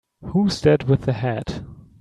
Who's that with the hat?